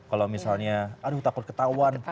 kalau misalnya aduh takut ketahuan